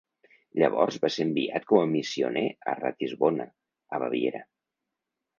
Llavors va ser enviat com a missioner a Ratisbona, a Baviera.